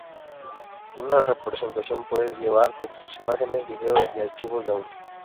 Una presentación puede llevar textos, imágenes, vídeos y archivos de audio.